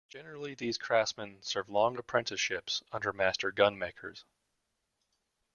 Generally, these craftsmen serve long apprenticeships under master gunmakers.